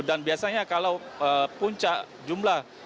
biasanya kalau puncak jumlah